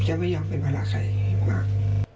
ผมจะไม่ยอมไปมารักใครอีกมาก